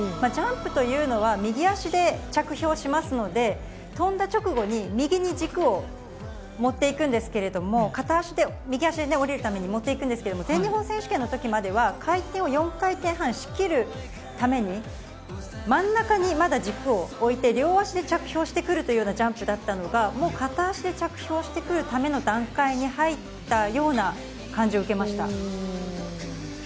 ジャンプというのは、右足で着氷しますので、跳んだ直後に右に軸を持っていくんですけれども、片足で、右足で降りるために持っていくんですけども、全日本選手権のときまでは、回転を４回転半しきるために、真ん中にまだ軸を置いて、両足で着氷してくるというようなジャンプだったのが、もう片足で着氷してくるための段階に入ったような感じを受けました。